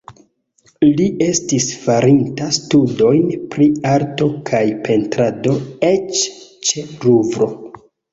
Li estis farinta studojn pri arto kaj pentrado eĉ ĉe Luvro.